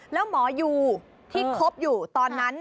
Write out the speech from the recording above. แล้วหมอยูที่คบอยู่ตอนนั้น